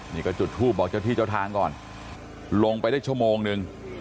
นี่ก็จุดทูปบอกเจ้าที่เจ้าทางก่อนลงไปได้ชั่วโมงนึง